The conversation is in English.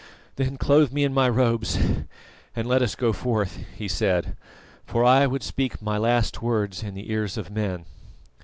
"Then clothe me in my robes and let us go forth," he said, "for I would speak my last words in the ears of men."